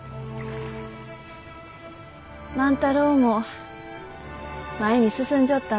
万太郎も前に進んじょったね。